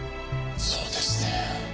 そうですね。